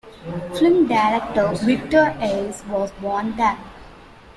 Film director Víctor Erice was born there.